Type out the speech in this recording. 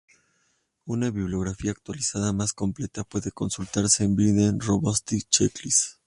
Una bibliografía actualizada más completa puede consultarse en Byrne Robotics Checklist.